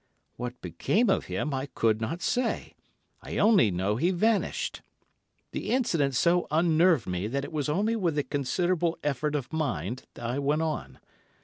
What became of him I could not say, I only know he vanished. The incident so unnerved me that it was only with a considerable effort of mind I went on.